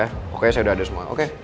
pokoknya saya udah ada semua oke